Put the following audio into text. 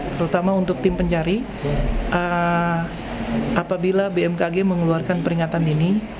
terutama untuk tim pencari apabila bmkg mengeluarkan peringatan ini